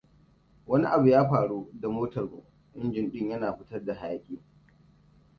Wani abu ya faru da motarmu; Injin din yana fitar da hayaki.